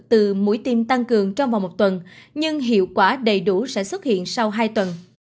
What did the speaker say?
từ mũi tiêm tăng cường trong vòng một tuần nhưng hiệu quả đầy đủ sẽ xuất hiện sau hai tuần